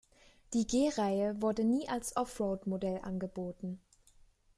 Die G-Reihe wurde nie als Offroad-Modell angeboten.